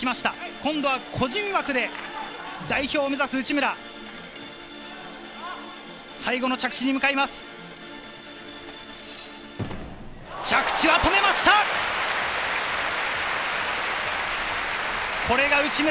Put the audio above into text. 今度は個人枠で代表を目指す内村。